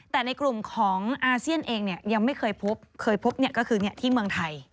แต่ในกลุ่มของเอเชียนเองเนี่ยยังไม่เคยพบเคยพบเนี่ยก็คือเนี่ยที่เมืองไทย